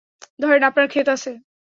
ধরেন, আপনার ক্ষেত আছে?